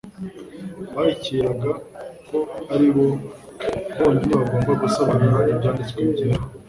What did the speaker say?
Bashyigikiraga ko ari bo bonyine bagomba gusobanura Ibyanditswe Byera,